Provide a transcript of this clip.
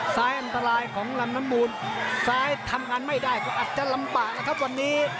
ซ้ายอันตรายของลำน้ำมูลซ้ายทำงานไม่ได้ก็อาจจะลำบากนะครับวันนี้